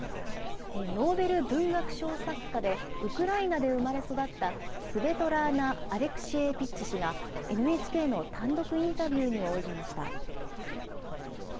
ノーベル文学賞作家で、ウクライナで生まれ育った、スベトラーナ・アレクシェービッチ氏が、ＮＨＫの単独インタビューに応じました。